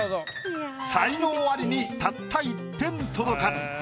才能アリにたった１点届かず。